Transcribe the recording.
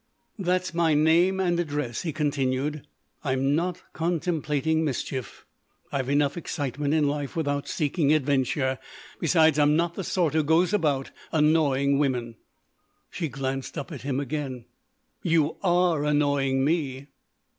"That's my name and address," he continued. "I'm not contemplating mischief. I've enough excitement in life without seeking adventure. Besides, I'm not the sort who goes about annoying women." She glanced up at him again: "You are annoying me!"